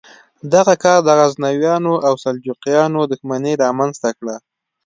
دغه کار د غزنویانو او سلجوقیانو دښمني رامنځته کړه.